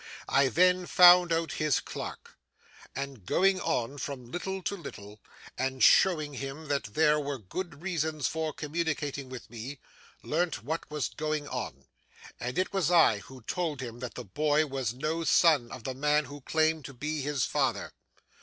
I then found out his clerk, and, going on from little to little, and showing him that there were good reasons for communicating with me, learnt what was going on; and it was I who told him that the boy was no son of the man who claimed to be his father.